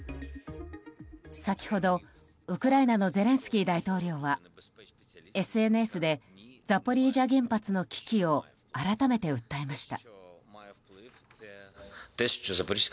先ほど、ウクライナのゼレンスキー大統領はＳＮＳでザポリージャ原発の危機を改めて訴えました。